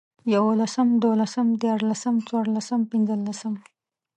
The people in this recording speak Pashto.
يوولسم، دوولسم، ديارلسم، څلورلسم، پنځلسم